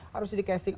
harus di casting